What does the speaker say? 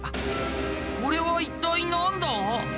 これは一体何だ？